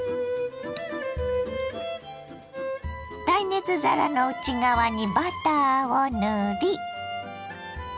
耐熱皿の内側にバターを塗り。